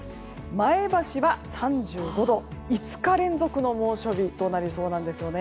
前橋は３５度、５日連続の猛暑日となりそうです。